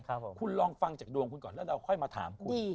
คุณลองฟังจากดวงคุณก่อนแล้วเราค่อยมาถามคุณ